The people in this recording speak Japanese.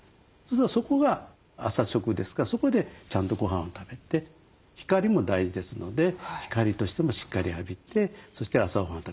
そこが朝食ですからそこでちゃんとごはんを食べて光も大事ですので光としてもしっかり浴びてそして朝ごはんを食べる。